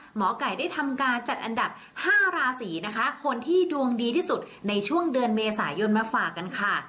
หมอไก่ได้ทำการจัดอันดับ๕ราศีนะคะคนที่ดวงดีที่สุดในช่วงเดือนเมษายนมาฝากกันค่ะ